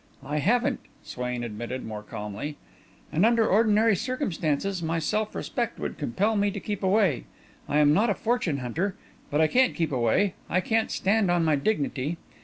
"I haven't," Swain admitted more calmly, "and under ordinary circumstances, my self respect would compel me to keep away. I am not a fortune hunter. But I can't keep away; I can't stand on my dignity.